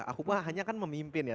aku hanya kan memimpin ya